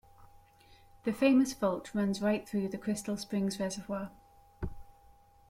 The famous fault runs right through the Crystal Springs Reservoir.